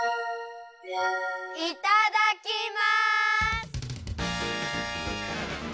いただきます！